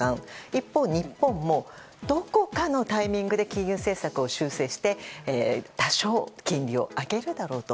一方、日本もどこかのタイミングで金融政策を修正して多少、金利を上げるだろうと。